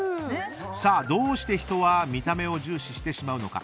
どうして人は見た目を重視してしまうのか。